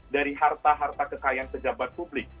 dari harta harta kekayaan pejabat publik